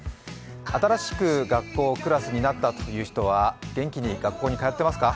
新しく学校、クラスになったという人は元気に学校に通ってますか？